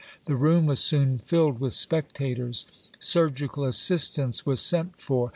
The room was soon filled with spectators. Surgical assistance was sent for.